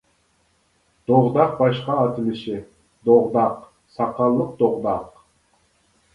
دوغداق باشقا ئاتىلىشى: دوغداق، ساقاللىق دوغداق.